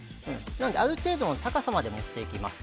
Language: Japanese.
ある程度の高さまで持っていきます。